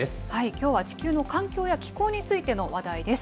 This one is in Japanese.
きょうは地球の環境や気候についての話題です。